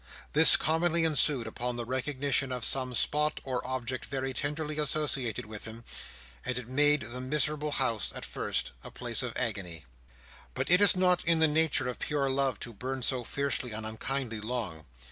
This commonly ensued upon the recognition of some spot or object very tenderly associated with him; and it made the miserable house, at first, a place of agony. But it is not in the nature of pure love to burn so fiercely and unkindly long.